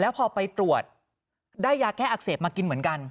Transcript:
พอไปตรวจได้ยาแก้อักเสบมากินเหมือนกัน